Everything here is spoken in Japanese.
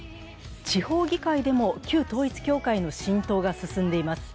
地方議会でも旧統一教会の浸透が進んでいます。